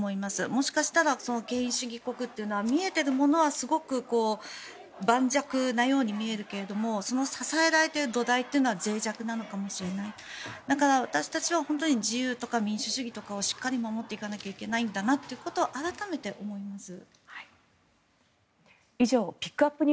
もしかしたら権威主義国っていうのは見えてるのはすごく盤石なように見えるけれどその支えられている土台はぜい弱なのかもしれないだから、私たちは本当に自由とか民主主義とかをしっかり守っていかなきゃいけないんだなということを改めて思います。